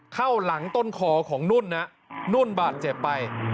เข้าหลังต้นคอของนุ่นนะนุ่นบาดเจ็บไป